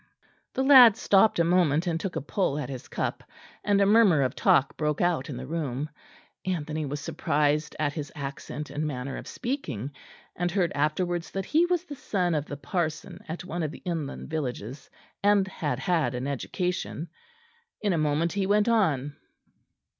The lad stopped a moment and took a pull at his cup, and a murmur of talk broke out in the room. Anthony was surprised at his accent and manner of speaking, and heard afterwards that he was the son of the parson at one of the inland villages, and had had an education. In a moment he went on.